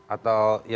atau yang saya